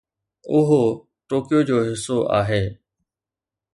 اهو ٽوڪيو جو حصو آهي